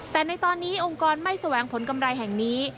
แต่ในตอนนี้องค์กรไม่แสวงผลกำไรแห่งนี้